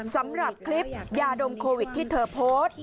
สำหรับคลิปยาดมโควิดที่เธอโพสต์